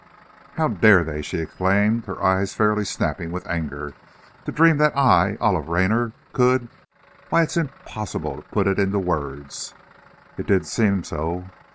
"How dare they!" she exclaimed, her eyes fairly snapping with anger; "to dream that I Olive Raynor could why, it's impossible to put it into words!" It did seem so.